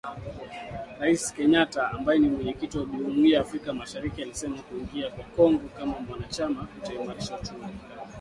Rais Kenyatta ambaye ni Mwenyekiti wa Jumuiya ya Afrika mashariki alisema kujiunga kwa Kongo kama mwanachama kutaimarisha uchumi wa kikanda.